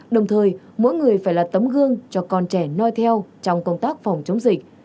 đồng thời mỗi người phải là tấm gương cho con trẻ noi theo trong công tác phòng chống dịch